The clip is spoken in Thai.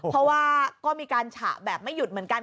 เพราะว่าก็มีการฉะแบบไม่หยุดเหมือนกัน